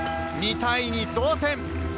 ２対２、同点。